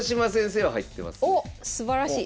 おっすばらしい。